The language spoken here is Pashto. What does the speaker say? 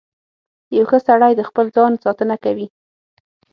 • یو ښه سړی د خپل ځان ساتنه کوي.